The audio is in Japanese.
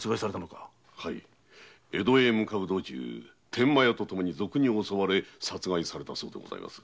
江戸へ向かう道中天満屋と共に賊に襲われたそうでございます。